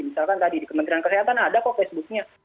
misalkan tadi di kementerian kesehatan ada kok facebook nya